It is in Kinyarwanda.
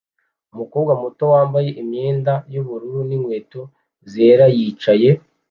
Umukobwa muto wambaye imyenda yubururu ninkweto zera yicaye